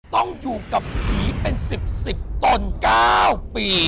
ต้องอยู่กับผีเป็นสิบสิบตนเก้าปี